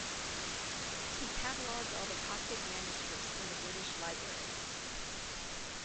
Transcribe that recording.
He catalogued all the Coptic manuscripts in the British Library.